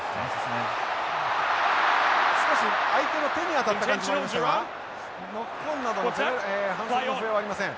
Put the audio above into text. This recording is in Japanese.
少し相手の手に当たった感じもありましたがノックオンなどの反則の笛はありません。